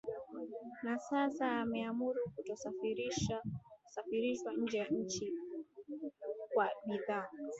na sasa ameamuru kutosafirishwa nje ya nchi kwa bidhaa